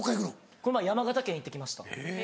この前山形県行って来ました。